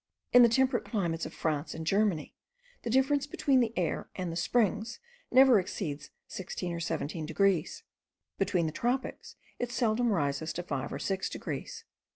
In the temperate climates of France and Germany, the difference between the air and the springs never exceeds 16 or 17 degrees; between the tropics it seldom rises to 5 or 6 degrees.